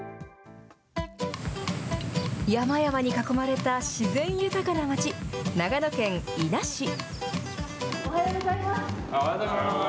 山々に囲まれた自然豊かな街、おはようございます。